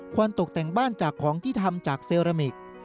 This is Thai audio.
ตกแต่งบ้านจากของที่ทำจากเซรามิก